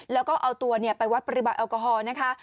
แล้วก็เอาตัวไปวัดปริมาณแอลกอฮอล์นะคะ